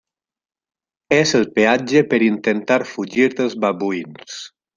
És el peatge per intentar fugir dels babuïns.